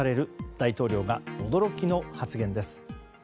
大統領が驚きの発言です。